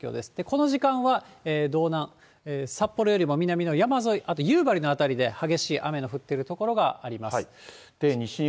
この時間は、道南、札幌よりも南の山沿い、あと夕張の辺りで激しい雨の降っている所があります。